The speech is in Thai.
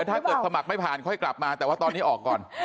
ถ้าเกิดสมัครไม่ผ่านค่อยกลับมาแต่ว่าตอนนี้ออกก่อน